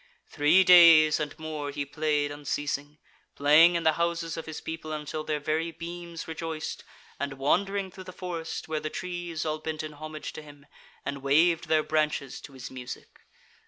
Three days and more he played unceasing; playing in the houses of his people until their very beams rejoiced, and wandering through the forest, where the trees all bent in homage to him and waved their branches to his music.